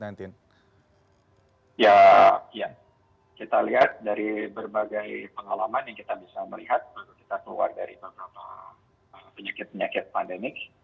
ya kita lihat dari berbagai pengalaman yang kita bisa melihat baru kita keluar dari beberapa penyakit penyakit pandemik